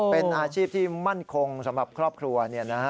เป็นอาชีพที่มั่นคงสำหรับครอบครัว